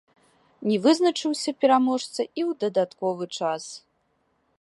Не вызначыўся пераможца і ў дадатковы час.